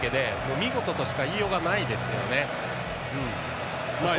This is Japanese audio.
見事としか言いようがないですね。